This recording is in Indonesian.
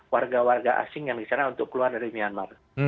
warga warga asing yang di sana untuk keluar dari myanmar